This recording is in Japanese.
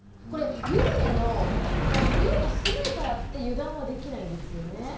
これ湯船のこの量が少ないからって油断はできないんですよね？